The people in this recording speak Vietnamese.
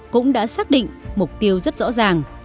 cũng đã xác định mục tiêu rất rõ ràng